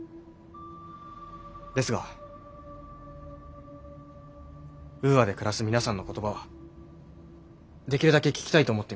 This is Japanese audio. ですがウーアで暮らす皆さんの言葉はできるだけ聞きたいと思っています。